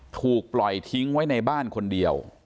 ถูกปล่อยทิ้งไว้ในบ้านคนเดียว